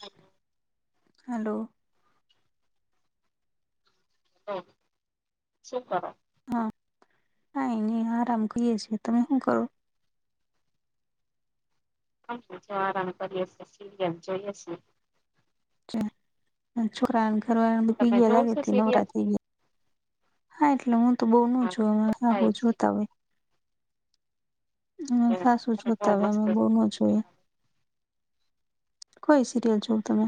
હ હલો હમ શુંકર હા કાઈ નઈ આરામ કરીએ છીએ તમે શું કરો? જવારણ કરીએશે સીરિયલ જોઈએશે. ચ્છા છોકરાણ કરરનું પી તમે જોવ ગયાેલાાગે છો હતી સિરિયલ? નવરાત્રી હા એટલે હું તો બહુ ન જોઉ હાહુ થાય છે જોતા હોય. બહુ અ ખાસું જોતા હોય અમે મસ્ત સિરિયલ બો ન જોઈએ. આવે. કોઈ સિરિયલ જોુવ તમે?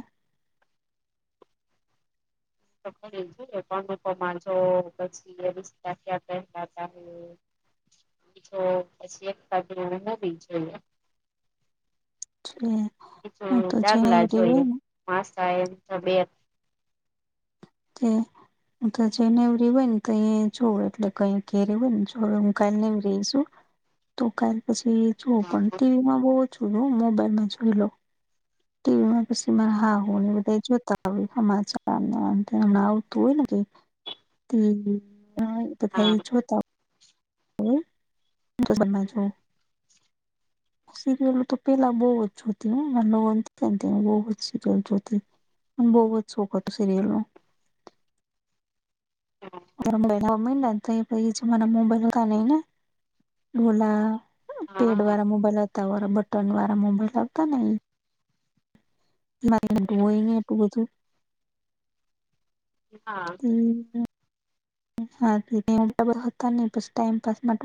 તો ક જોઈએ પણમાં જો પછી રિસ્તા ક્યા પહેલાતા હે બ પી એક જોઈએ હું જું તો જેને દાગલા એવરી હોય જોઈએ. ને માસ્ એ તબિયત કે હ તો જેઈ નેવ રે હોય ને તો છોડ એટલે ક ઘેરી હોય ને છડ હું કા ને રહીશું તો કાઉ પછી જુ પણ હા ટીવીમાં બહુ છું મોબાઈલમાં જોઈ લો ટીવી માં પછી મારે હાહુ ને બધા જોત તમાચમ ના આવ તોું હોયને કે [unintelligible] બધા હા એ જોતા તમ તો સમા છો [unintelligible] સિરિય લ તો પેલા બહુ જ જોતી ઘનને બહ જ સિરિયલ જોતી [unintelligible] બહુ જ સોખ હતો સિરિયલ નો હા [unintelligible] મારા મોબાઈલ કાને ના ડોલા પેડ વાળા મોબાઈલ આવ હતા હોરા બટન વાળા મોબાઈલ હતા નેઈ. એ હોય ને એટું બધું હા હમ ટમ પા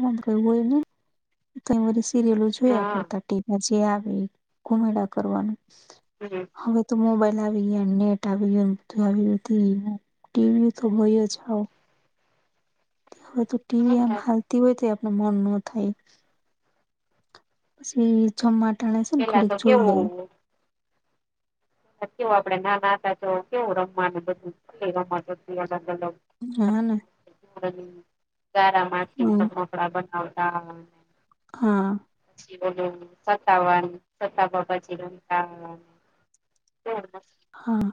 હોય ન [unintelligible] સિરિયલો જોયા હા કરતા ટીમાં જે આવેુમેડા કરવાનું, હમ હવે તો મોબાઈલ આવી ગયા ને નેટ આવી ગયું ને બધું આવ ટીવી તો હોય જ હ હવે તો ટીવી આમ હાલતી હોય તો આપનું મન ન થાય. પછી એ જમાટાણે છે ને પેલા ખડીક તો જોઈ લેવુ. કેવું કેવ આપડે ના ના હતા તો કેવું રમવાનું બધું રમવા [inaudible] હને તારા માટીના હમ રમકડા બનાવતા હા ી બોલું સાતાવાન સતા બાબાજી રતા [unintelligible] બમ હ [unintelligible] હા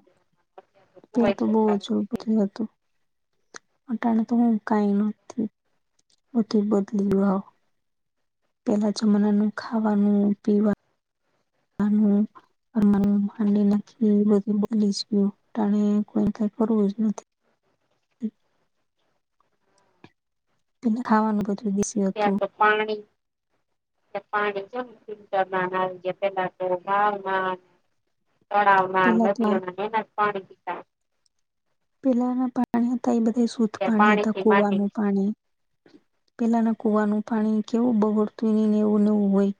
પે તો છોકરાઓ બહજું હતું [unintelligible] અટાણે તો હું કઈ નથી બ બદલી પેલા જમનાનું ખાવાનું પીવાનું અને હ હાંડી નાખી બધું બલી જ ગયું ટણે કોઈ કઈ કરવું જ નથી. ત ખાવાનું પું દ [unintelligible] ત્યાં તો પાણી પાણી [unintelligible] તળાવમાં પેલા તો નદી ઓના ને એનાજ પાણી પિતા. પેલાના પાણી હતા એ બધા શુદ્ધ અત્યારે પાણી હતા પાણીથી માંડીને કુવાનું પાણી. પેલાના કુવાનું પાણી કેવું બગોડતુંય નહી ને એવું નેવું હોય.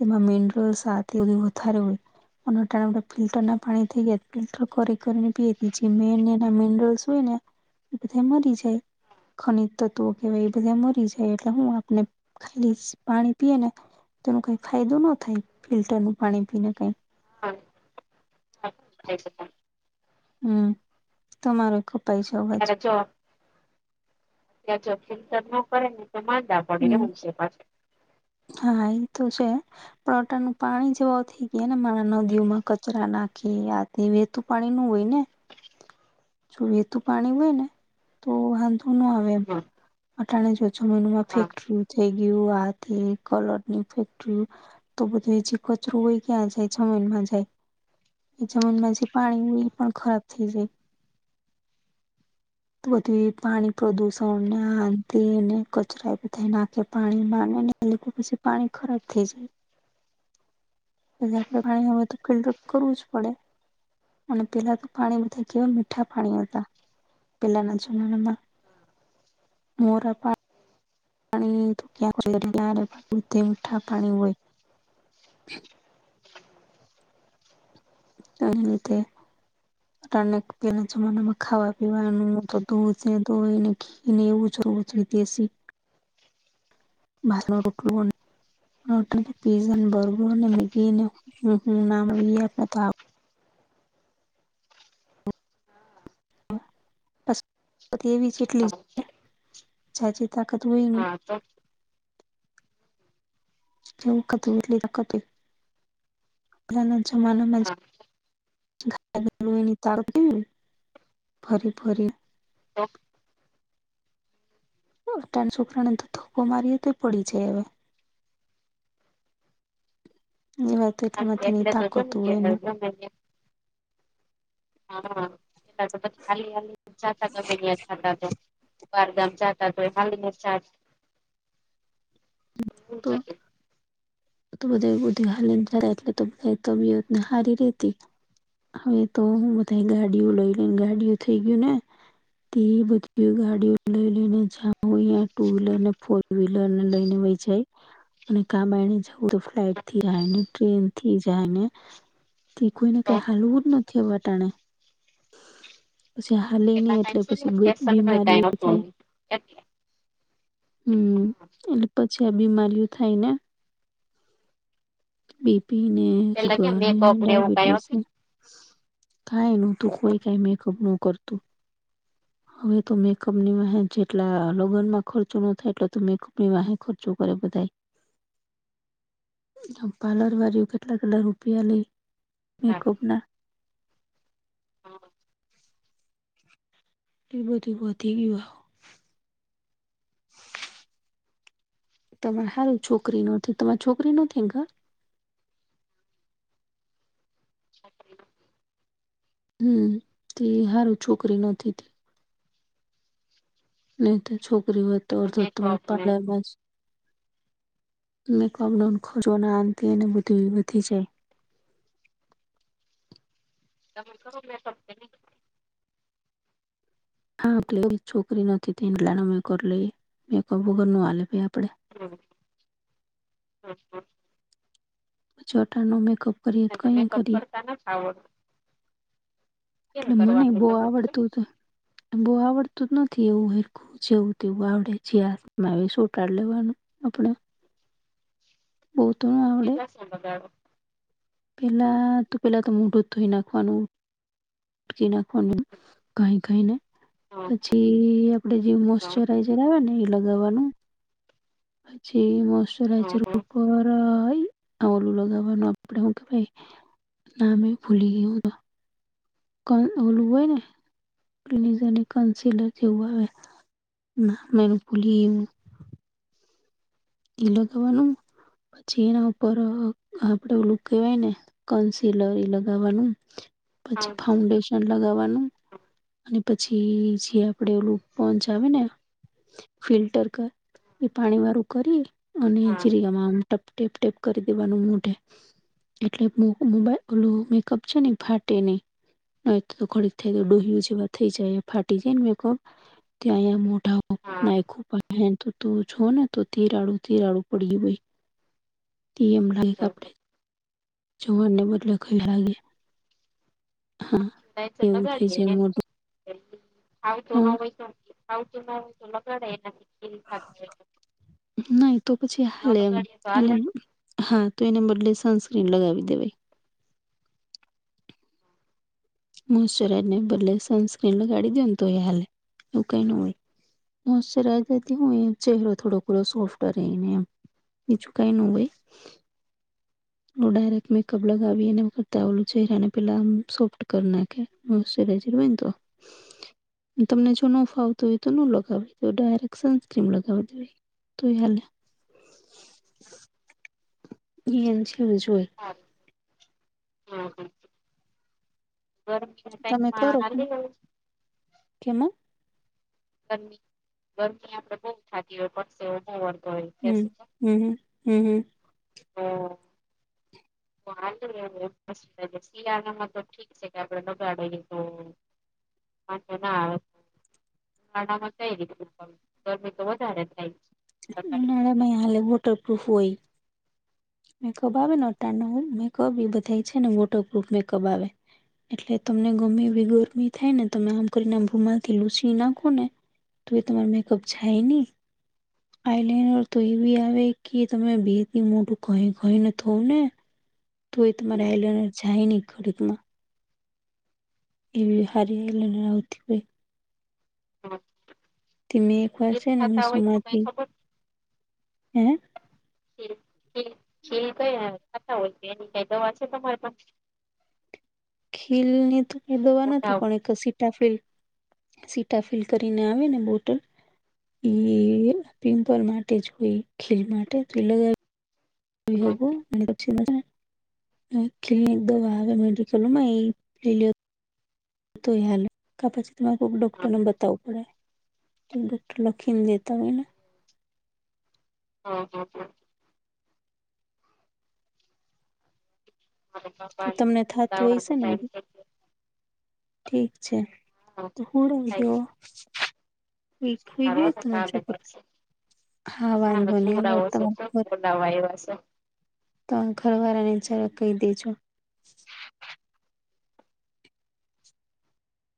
તેમાં મિનરલસ સાથે વધારે હોય. [unintelligible] ફિલ્ટર ના પાણી થઈ જાય ફિલ્ટર કરી કરીને [unintelligible] ને મિનરલ્સ હોય ને તે બધા મરી જાય. ખનીજ તત્વો કેહેવાય એ બધા મરી જાય એટલે હું આપને ખાલી પાણી પીએ ને તેનો કાઈ ફાયદો ન થાય ફિલ્ટર નું પાણી પીને કાઈ. [unintelligible] હમ્મ તમારો ખૂબ [unintelligible] જો ન ફિલ્ટર નો કરે ને તો માંદા પડે હમ એવું છે પાછુ. હા એ તો છે પોટાનું પાણી જેવા થઈ ગયા ને મારા નદીઓમાં કચરા નાખે. કે આ તે વેતું પાણી નું હોય ને. જો વેતું પાણી હોય ને તો વાંધોનો આવે. હા હા [unintelligible] થઈ ગયું આ તે કલર ની ફેક્ટરીયુ તો બધું એજી કચરું હોય ક્યાં જાય જમીનમાં જાય. જમીન માં જે પાણી હોય ઈ પણ ખરાબ થઈ જાય. બધું એ પાણી પ્રદુષણ ને આંન તે ને કચરા બધાઈ નાખે પાણી માંને એટલે તો પછી પાણી ખરાબ થઈ જાય. [inaudible] પછી આપણે પાણી નો હોય તો ફિલ્ટર કરવું જ પડે. અને પેલા તો પાણી બધા કેવા મીઠા પાણી હતા. પેલાના જમાનામાં મોરા પાણી [unintelligible] મીઠા પાણી હોય. તો એન લીધે [inaudible] પેલા જમાનામાં ખાવા પીવાનું તો દૂધ ધોઈને ઘીને એવું જ રોજ દેસી બારનું [unintelligible] [unintelligible] [unintelligible] હા જાજી તાકાત હોય નહી [unintelligible] [unintelligible] પેલાના જમાનામાં હા [unintelligible] ફરી ફરી તો અતાર ના છોકરાને તો ધકો મારીએ તોએ પડી જાય હવે. [unintelligible] એટલે તો જો તાકાત ને હોય નહી. [unintelligible] [unintelligible] બારગામ જાતા તોય હાલીને જાતા એવુજ તો હતું. તો બધા બધેય હાલીને જાતા એટલે તો બધા તબિયતને હારી રેતી. હવે તો હું બધા ગાડીઓ લઈ લઈને ગાડયુ થઈ ગયું ને. તે બધી ગાડીઓ લઈ લઈને જા હોયા ટુ વ્હીલર ને ફોર વ્હીલર ને લઈને વહી જાય અને [unintelligible] તો ફ્લાઇટ થી જાય ને ટ્રેન થી જાય ને તે કોઈ ને તો કઈ હાલવું જ નથી. વટાણે પછી હાલે નય પેલા કાઈ એટલે છે ને પછી ફેશન નું કાઈ બીમારિયો હતું થાય. નહી એટલે હમ્મ એટલે પછી આ બીમારીઓ થાય ને. બીપી ને પેલા સુગર ક્યાં ને મેકઅપ એવું કાઈ ડાયબિટીસ હતું ને કાંઈ ની તો કોઈ કાઈ મેકઅપ નો કરતું [inaudible] હવે તો મેકઅપ ની વાહે જેટલા લગ્નમાં ખર્ચો નો થાય એટલે તો મેકઅપ ની વાહે ખર્ચો કરે બધા પાર્લર વાળા કેટલા કેટલા રૂપિયા લેય હા મેકઅપ ના હા એ બધું વઘી ગયો તમારે સારું છોકરી નથી તમાર છોકરી નથી ઘ [inaudible] હમ તે હારું છોકરી નથી નહી તો છોકરી હોય તો અર્ધા તો મેકઅપ તમારા ને પાર્લરમાં જ [unintelligible] આમ થઈને બધું એ વધી જાય તમે કરો મેકઅપ કે ની હા આપ છોકરી નથી તે એલાનો મેકઅર લઈએ મેકઅપ વગર નું [unintelligible] આપડે હલો હા હા ચોટ નો મેકઅપ કરીએ તો કઈ મેકઅપ કરીએ કરતા નથી આવડ એટલે મને કરવાનું બો તમને ખબર આવડતું બો આવડતું જ નથી એવું હરખું જેવું તેવું આવડે જ હાથમાં સોટાડ લેવાનું આપણે બહો ત નો કેટલા સોલ્ડર વાળો પેલા તો પેલા તો મોઢું ધોઈ નાખવાનું પછી નાખવાની કઈ કાઈને પછી પડે જે મોશચરાઈઝર આવે ને એ લગાવવાનું પછી મોસચરાઈચર ઉપર ઓલું લગાવવાનું આપડે હું કે ભાઈ નામે ભૂલી ગયું તો ક ઓલું હોય ને [unintelligible] જેવું આવે [unintelligible] લગાવાનું પછી એના ઉપર આપડે ઓલું કવાય ને કોનસી લોરી લગાવાનું પછી ફાઉન્ડેશન લગાવાનું અને પછી જે આપ આપડે ઓલું પચ આવે ને ફિલ્ટર કર એ પાણી વાળું કરી અને ચીરિયામાં આમ ટપ ટેપ ટેપ કરી દેવાનું મોઢે એટલે મોબાઈલ ઓલું મેકઅપ છે ને ફાટેની ન તો ખોડીક ડોહ્યું જેવા થઈ જાય ફાટી જાય ને ત્યાં અયા મોટા નાખ હેન તો તું છ ને તો તીરાડું તીરાડું પડીયું ભાઈ તમ આપડે જોવારને બદલે કઈ લાગે [unintelligible] હા આવતો એવું થઈ જાય મોઢું ન હા હોય તો આવતો ના હોય તો લગાડો એનાથી ખીર ખાતા હોય નહી તો પછી ન હાલે એમ લગાડીએ તો એને હાલે હા તો એને બદલે સનસ્ક્રીન લગાવી દેવાય મોશચરાઈઝને બદલે સનસ્ક્રીન લગાડી દે ને તો એ હાલે એવું કઈ ન હોય મોસચરાઇઝર જતી હોય એ ચહેરો થોડો થો સોફ્ટ્યો બીજું કઈ ન હોય ડાયરેક્ટ મેકઅપ લગાવી અનેને વખતે ઓલું ચહેરાને પેલા સોફ્ટ કર નાખે મોસ્ટ્રાઇઝર હોય ને તો તમને જો ન ફાવતું હોય તો ન લગાવી દે ડાયરેક્ટ સનસ્ક્રીમ લગાવી જે તોય હાલે ઈ એમ સેમ જ હોય હારૂ હા હા બર હ ગ કેમ ગરમી ગરમી આપડે બહુ થાતી હોય પડશે બહુ વળતો હોય હમ કે હમ હ હમ હમ હા વાાલ શિયાળામાં તો ઠીક છે કે આપડે લગાડે તો હ ના માં થઈ ર ગરમી તો વધારે થાયડી ઉનાળામાં હાલે વટરપ્રૂફ હોય મેકઅપ આવે ને અા ન મેકઅપ એ બધા છે ને વોટરપ્રુફ મેકઅપ આવે એટલે તમને ગમે એવી ગરમી થાય ને તમે આમ કરીને ભૂમાલ થી લૂસી નાખો ને તું એ તમાર મેકઅપ જાય ન આઈ લનર તો એવીી આવે કે તમે બેથી મોટું કઈ કઈને થવ ને તો એ તમારે આલાર જાય નહ ખડક માં એવી હારી હ લને આવઉે હા તેમ એક વરસે ને સુમાતી હે છે કઈ ખાતા હોય એની કઈ દવા છે તમારે પણ ખીલ ને તો ક દવા મોટા નથી પણ એક સીટા ફીલ સીટા ફિલ કરીને આવે ને બોટલ ઈ પિમ્પલ માટે જ કોઈ ખીલ માટે લગાવ વિહું અનેછી મ ક્લન એક દ આવે મેડિકલમાં એ લ પછીક ડોક્ટરને બ પડે તો ડોક્ટર લખીને દેતા હોય ને હા હા હા પાપા તમને થતું ચિતા હશે ને બધું ઠીક છે તો હું રખ દયો ઈ ગયો તમારા છો ઉપર હા વાંધો નની હાલ તમારાર વા એવાશે તો ઘરવાળા ને જરા કહી દેજો